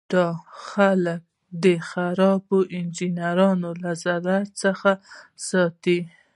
دا خلک د خرابو انجینرانو له ضرر څخه ساتي.